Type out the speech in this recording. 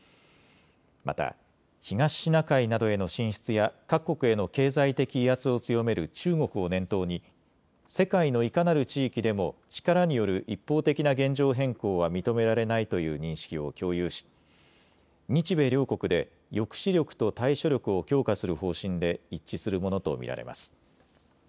また東シナ海などへの進出や各国への経済的威圧を強める中国を念頭に世界のいかなる地域でも力による一方的な現状変更は認められないという認識を共有し日米両国で抑止力と対処力を強化する方針で一致するものと見られます。